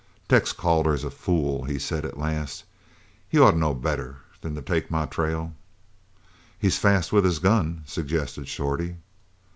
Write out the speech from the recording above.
"Tex Calder's a fool," he said at last. "He ought to know better'n to take to my trail." "He's fast with his gun," suggested Shorty.